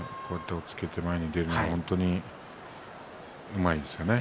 押っつけて前に出るのはうまいですよね。